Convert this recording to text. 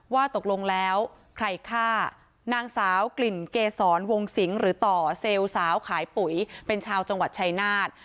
ว่าตกลงแล้วใครฆ่านางสาวกลิ่นเกษรวงสิงหรือต่อเซลล์สาวขายปุ๋ยเป็นชาวจังหวัดชายนาฏ